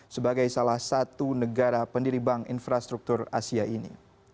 sebagai salah satu negara pendiri bank infrastruktur asia ini